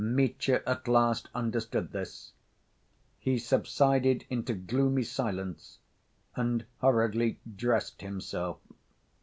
Mitya at last understood this. He subsided into gloomy silence and hurriedly dressed himself.